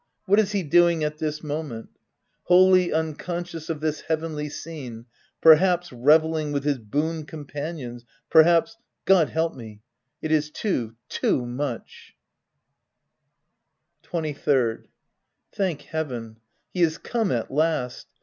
— what is he doing at this moment ?— wholly unconscious of this heavenly scene, — perhaps, revelling with his boon companions, perhaps — God help me, it is too — too much \ 23rd. Thank heaven, he is come at last